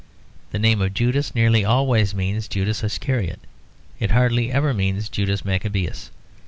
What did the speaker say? The name of Judas nearly always means Judas Iscariot; it hardly ever means Judas Maccabeus.